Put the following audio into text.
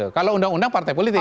kalau undang undang partai politik